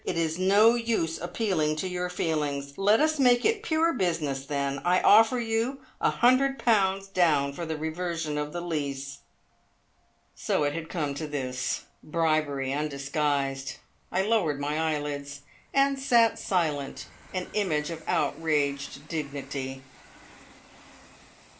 It is no use appealing to your feelings. Let us make it pure business then! I offer you a hundred pounds down for the reversion of the lease!" So it had come to this. Bribery undisguised! I lowered my eyelids, and sat silent, an image of outraged dignity.